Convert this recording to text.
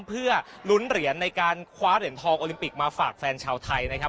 เพื่อลุ้นเหรียญในการคว้าเหรียญทองโอลิมปิกมาฝากแฟนชาวไทยนะครับ